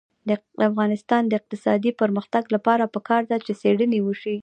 د افغانستان د اقتصادي پرمختګ لپاره پکار ده چې څېړنې وشي.